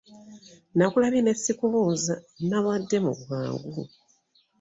Nakulabye ne sikubuuza nabadde mu bwangu.